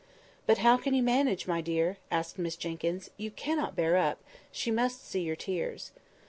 "But how can you manage, my dear?" asked Miss Jenkyns; "you cannot bear up, she must see your tears."